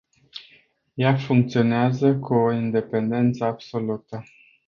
Ea funcționează cu o independență absolută.